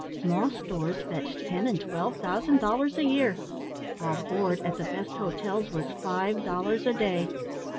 Small stores fetched ten and twelve thousand dollars a year; while board at the best hotels was five dollars a day.